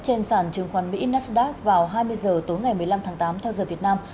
trên sản trừng khoan mỹ nasdaq vào hai mươi h tối ngày một mươi năm tháng tám theo giờ việt nam